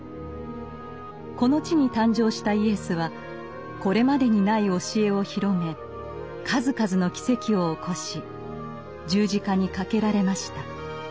この地に誕生したイエスはこれまでにない教えを広め数々の奇跡を起こし十字架にかけられました。